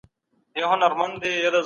که کار ونه کړو پرمختګ نه کوو.